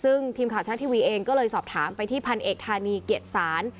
ซึ่งทีมข่าวชะละทีวีเองก็เลยสอบถามไปที่พันเอกธานีเกียรติศาล